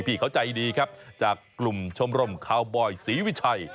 พี่เขาใจดีครับจากกลุ่มชมรมคาวบอยศรีวิชัย